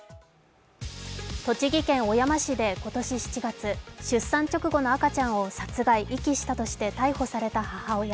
栃木県小山市で今年７月、出産直後の赤ちゃんを殺害・遺棄したとして逮捕された母親。